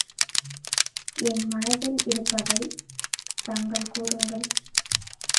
என் மனத்தில் இருப்பதைத் தாங்கள் கூறுங்கள்